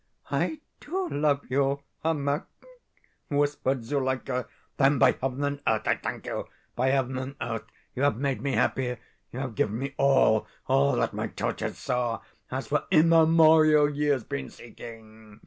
"'I DO love you, Ermak,' whispered Zuleika. "'Then by heaven and earth I thank you! By heaven and earth you have made me happy! You have given me all, all that my tortured soul has for immemorial years been seeking!